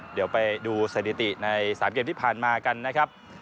เดี๋ยวไปดูสถิติใน๓เกมที่ผ่านมากันนะครับ